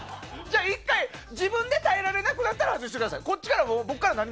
自分で耐えられなくなったら外してください。